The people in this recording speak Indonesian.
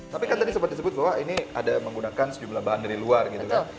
tapi kan tadi sempat disebut bahwa ini ada menggunakan sejumlah bahan dari luar gitu kan